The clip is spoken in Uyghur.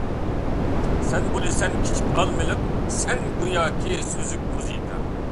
سەن بولىسەن كىچىك ئالىملىق، سەن گوياكى سۈزۈك مۇزىكا.